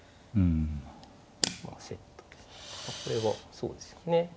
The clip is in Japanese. これはそうですよね。